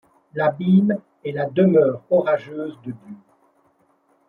L'abîme est la demeure orageuse de Dieu ;